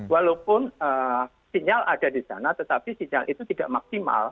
walaupun sinyal ada di sana tetapi sinyal itu tidak maksimal